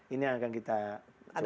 ini akan kita coba ceritanya apa gitu